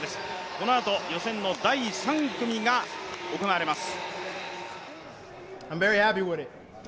このあと予選の第３組が行われます